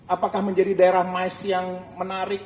apakah menjadi daerah nice yang menarik